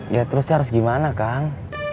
ya terusnya harus gimana kang